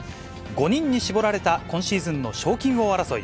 ５人に絞られた今シーズンの賞金王争い。